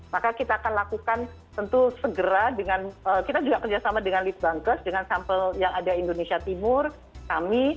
maka kita akan lakukan tentu segera dengan kita juga kerjasama dengan lead bankes dengan sampel yang ada indonesia timur kami